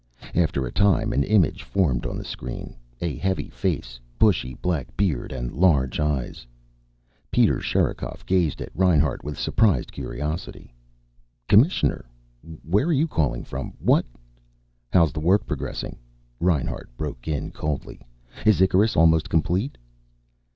After a time an image formed on the screen. A heavy face, bushy black beard and large eyes. Peter Sherikov gazed at Reinhart with surprised curiosity. "Commissioner! Where are you calling from? What " "How's the work progressing?" Reinhart broke in coldly. "Is Icarus almost complete?"